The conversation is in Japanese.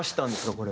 これ。